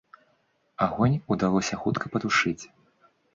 Агонь удалося хутка патушыць.